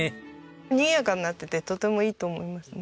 にぎやかになっててとてもいいと思いますね。